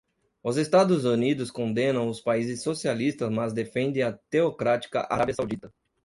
Os Estados Unidos condenam os países socialistas mas defendem a teocrática Arábia Saudita